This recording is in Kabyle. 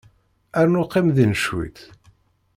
Rnu qqim din cwiṭ.